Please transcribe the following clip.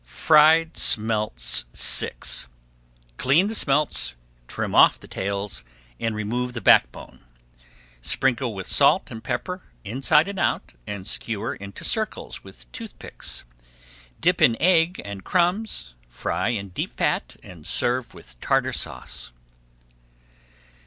FRIED SMELTS VI Clean the smelts, trim off the tails, and remove the back bone. Sprinkle with salt and pepper inside and out and skewer into circles with tooth picks. Dip in egg and crumbs, fry in deep fat, and serve with Tartar Sauce.